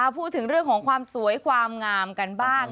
พูดถึงเรื่องของความสวยความงามกันบ้าง